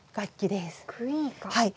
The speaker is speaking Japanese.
はい。